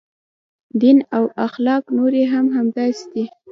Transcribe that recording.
دین او اخلاق نورې هم همداسې دي.